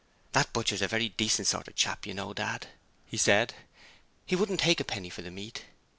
'That butcher's a very decent sort of chap, you know, Dad,' he said. 'He wouldn't take a penny for the meat.'